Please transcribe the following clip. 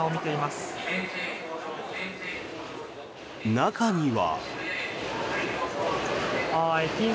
中には。